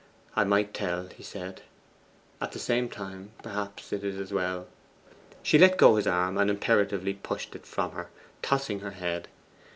'I might tell,' he said; 'at the same time, perhaps, it is as well ' She let go his arm and imperatively pushed it from her, tossing her head.